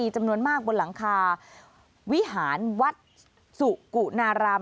จำนวนมากบนหลังคาวิหารวัดสุกุนาราม